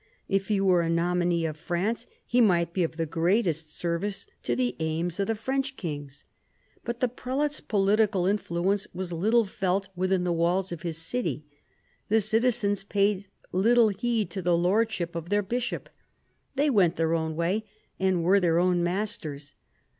If he were a nominee of France he might be of the greatest service to the aims of the French kings. But the prelate's political influence was little felt within the walls of his city : the citizens paid little heed to the lordship of their bishop. They went their own way, and were their own masters.